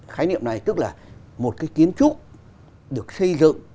khái niệm này tức là một cái kiến trúc được xây dựng